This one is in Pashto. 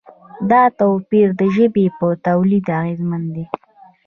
دا توپیر د ژبې په تولید اغېزمن دی.